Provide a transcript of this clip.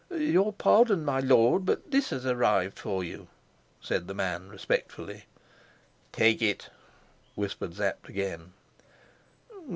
"Your pardon, my lord, but this has arrived for you," said the man respectfully. "Take it," whispered Sapt again.